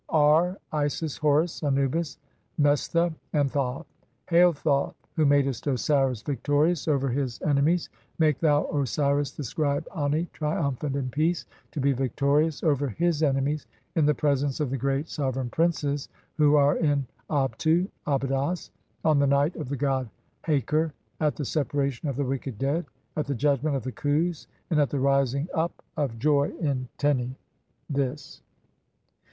arc Isis, Horus [,Anubis], Mestha, [and Thoth]. "Hail, Thoth, who madest Osiris victorious (2) over his ene "mies, make thou Osiris, the scribe Ani, triumphant in peace, "to be victorious over his enemies in the presence of the great "sovereign princes (3) who are in Abtu (Abydos), on the night "of the god Haker, at the separation of the wicked dead, at the "judgment (4) of the Khus, and at the rising up of joy in Teni "(This).